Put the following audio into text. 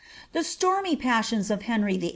The stormy passions of Henry YIII.